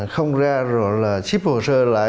không ra rồi là xếp hồ sơ lại